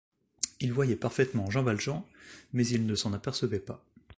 Il voyait parfaitement Jean Valjean, mais il ne s’en apercevait pas.